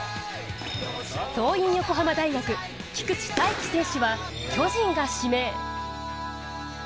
桐蔭横浜大学、菊地大稀選手は巨人が指名。